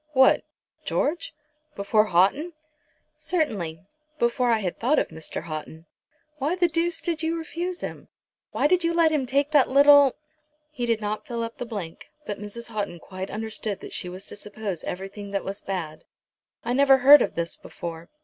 "What, George? Before Houghton?" "Certainly; before I had thought of Mr. Houghton." "Why the deuce did you refuse him? Why did you let him take that little " He did not fill up the blank, but Mrs. Houghton quite understood that she was to suppose everything that was bad. "I never heard of this before."